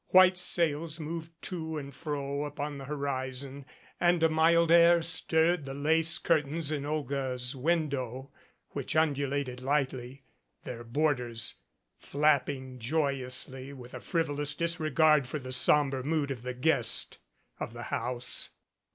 White sails moved to and fro upon the horizon and a mild air stirred the lace curtains in Olga's window, which undu lated lightly, their borders flapping joyously with a frivolous disregard for the somber mood of the guest of the house.